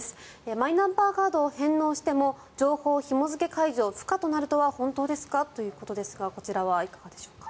マイナンバーカードを返納しても情報ひも付け解除不可となるとは本当ですかということですがこちらはいかがでしょうか。